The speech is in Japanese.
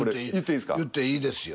言っていいですよ。